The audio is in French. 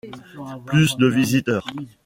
Plus de visiteurs.